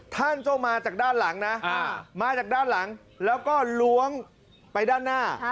ท่านเจ้ามาจากด้านหลังนะมาจากด้านหลังแล้วก็ล้วงไปด้านหน้า